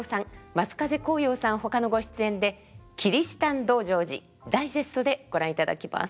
松風光陽さんほかのご出演で「切支丹道成寺」ダイジェストでご覧いただきます。